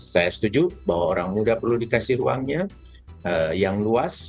saya setuju bahwa orang muda perlu dikasih ruangnya yang luas